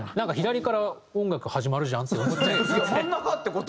左から音楽始まるじゃんって。